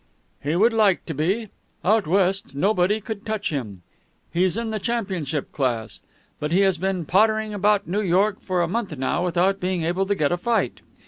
"He would like to be. Out West, nobody could touch him. He's in the championship class. But he has been pottering about New York for a month without being able to get a fight.